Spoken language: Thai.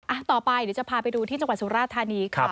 ต่อไปเดี๋ยวจะพาไปดูที่จังหวัดสุราธานีค่ะ